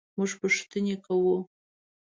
مونږ پوښتنې کوو